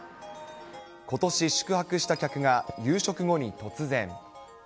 ことし宿泊した客が夕食後に突然。